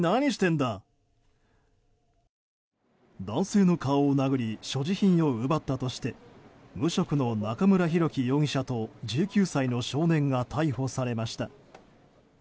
男性の顔を殴り所持品を奪ったとして無職の中村博樹容疑者と１９歳の少年が逮捕されました。